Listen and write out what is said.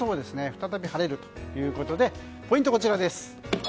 再び晴れるということでポイントはこちらです。